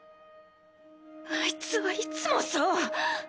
あいつはいつもそう。